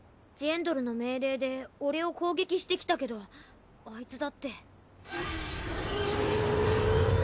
ジェンドルの命令で俺を攻撃してきたけどアイツだって。